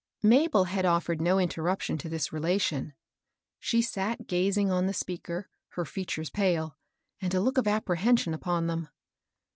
Mabel had offered no interruption to this rela tion. She sat gaang on the speaker, her features pale, and a look of apprehension upon them.